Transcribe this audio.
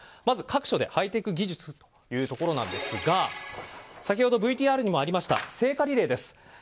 まず、各所でハイテク技術ということですが先ほどＶＴＲにもありました聖火リレー。